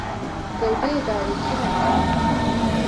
Gewdeyê darê çi reng e?